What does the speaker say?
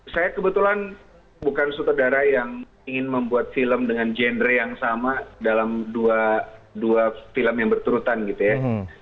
saya kebetulan bukan sutradara yang ingin membuat film dengan genre yang sama dalam dua film yang berturutan gitu ya